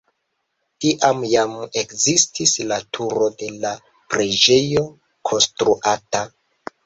Tiam jam ekzistis la turo de la preĝejo konstruata.